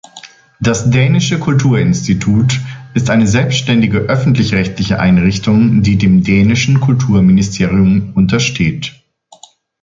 Das dänische Kulturinstitut ist eine selbstständige öffentlich-rechtliche Einrichtung, die dem dänischen Kulturministerium untersteht.